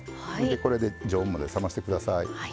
でこれで常温まで冷まして下さい。